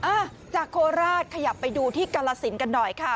อ่ะจากโคราชขยับไปดูที่กาลสินกันหน่อยค่ะ